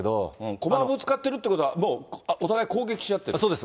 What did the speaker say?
駒はぶつかってるということは、もう、お互い攻撃し合ってるそうです。